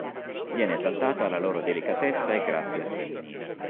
Viene esaltata la loro delicatezza e grazia femminile.